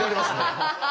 ハハハハ！